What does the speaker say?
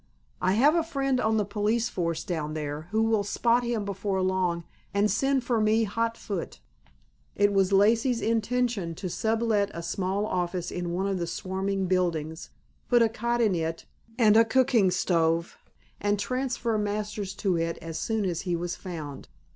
"I have a friend on the police force down there who will spot him before long and send for me hot foot." It was Lacey's intention to sublet a small office in one of the swarming buildings, put a cot in it and a cooking stove, and transfer Masters to it as soon as he was found.